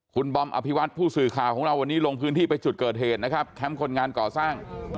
คุณบอมอภิวัตผู้สื่อข่าวของเราวันนี้ลงพื้นที่ไปจุดเกิดเหตุนะครับแคมป์คนงานก่อสร้าง